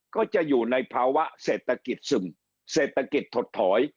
ก็จะอยู่ในภาวะเศรษฐกิจซึมเศรษฐกิจถดถอย